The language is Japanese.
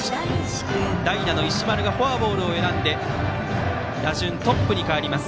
代打の石丸がフォアボールを選んで打順トップに返ります。